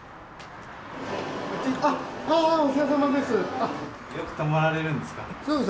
あっお世話さまです！